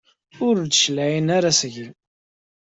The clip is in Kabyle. Ur d-cliɛen ara seg-i.